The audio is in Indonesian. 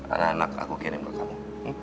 ada anak aku kirim ke kamu